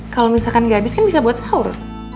kalau misalkan nggak habis kan bisa buat sahur